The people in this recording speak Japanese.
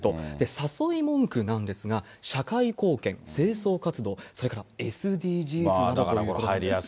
誘い文句なんですが、社会貢献、清掃活動、それからＳＤＧｓなどということなんです。